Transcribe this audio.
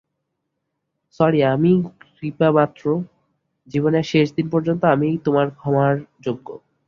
Sorry, আমিই কৃপাপাত্র, জীবনের শেষদিন পর্যন্ত আমিই তোমার ক্ষমার যোগ্য।